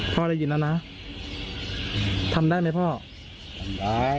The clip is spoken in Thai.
ได้ยินแล้วนะทำได้ไหมพ่อทำได้